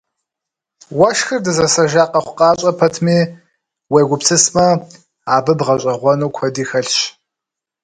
Уэшхыр дызэсэжа къэхъукъащӏэ пэтми, уегупсысмэ, абы бгъэщӏэгъуэну куэди хэлъщ.